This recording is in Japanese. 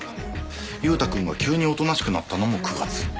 祐太君が急におとなしくなったのも９月。